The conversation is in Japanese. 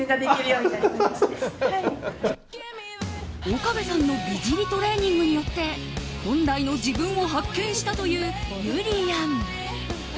岡部さんの美尻トレーニングによって本来の自分を発見したというゆりやん。